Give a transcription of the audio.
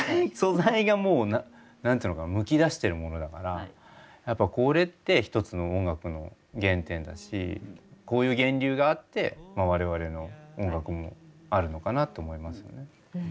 素材がもう何ていうのかなむき出してるものだからやっぱこれって一つの音楽の原点だしこういう源流があって我々の音楽もあるのかなと思いますよね。